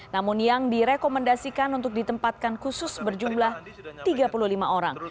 namun yang direkomendasikan untuk ditempatkan khusus berjumlah tiga puluh lima orang